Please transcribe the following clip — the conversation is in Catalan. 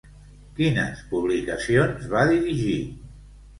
Quines publicacions va dirigir?